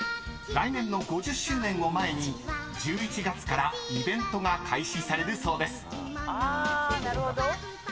［来年の５０周年を前に１１月からイベントが開始されるそうです］